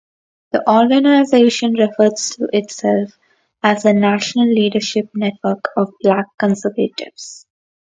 The organization refers to itself as the National Leadership Network of Black Conservatives.